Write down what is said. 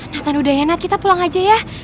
nathan udah ya nat kita pulang aja ya